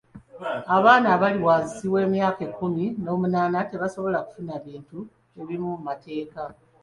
Abaana abali wansi w'emyaka ekkumi n'omunaana tebasobola kufuna bintu ebimu mu mateeka.